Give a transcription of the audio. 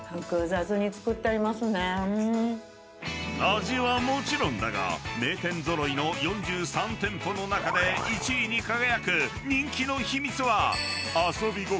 ［味はもちろんだが名店揃いの４３店舗の中で１位に輝く］